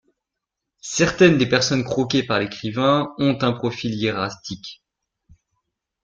Certaines des personnes croquées par l'écrivain ont un profil hiératique.